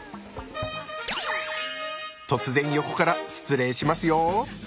突然横から失礼しますよ。